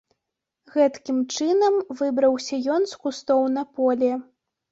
Гэткім чынам выбраўся ён з кустоў на поле.